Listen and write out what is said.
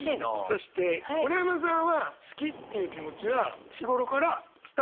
そして村山さんは好きっていう気持ちは日頃から伝える派秘める派？